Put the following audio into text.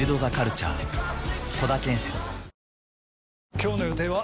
今日の予定は？